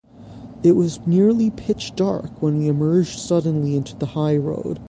It was nearly pitch-dark when we emerged suddenly into the highroad.